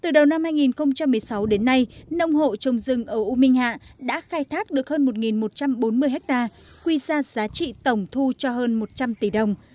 từ đầu năm hai nghìn một mươi sáu đến nay nông hộ trồng rừng ở u minh hạ đã khai thác được hơn một một trăm bốn mươi ha quy ra giá trị tổng thu cho hơn một trăm linh tỷ đồng